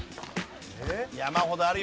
山ほどあるよね